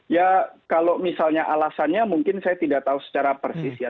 ya kalau misalnya alasannya mungkin saya tidak tahu secara persis ya